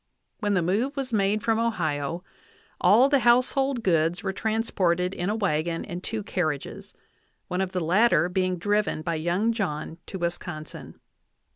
When the move was made from Ohio, all the household goods were transported in a wagon and two carriages, one of the latter being driven by young John to Wisconsin.